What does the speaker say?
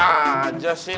udah aja sini